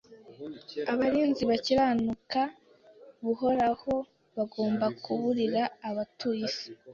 Abarinzi bakiranuka b’Uhoraho bagomba kuburira abatuye isi…